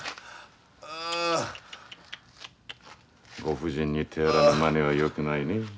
ご婦人に手荒なまねはよくないね。